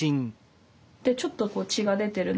でちょっと血が出てる。